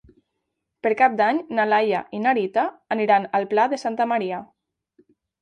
Per Cap d'Any na Laia i na Rita aniran al Pla de Santa Maria.